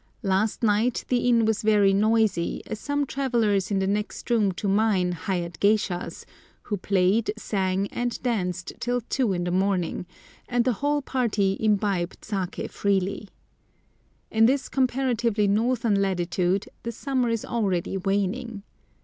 Last night the inn was very noisy, as some travellers in the next room to mine hired geishas, who played, sang, and danced till two in the morning, and the whole party imbibed saké freely. In this comparatively northern latitude the summer is already waning.